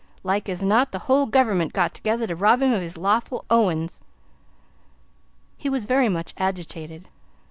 Like as not, the whole gover'ment's got together to rob him of his lawful ownin's." He was very much agitated.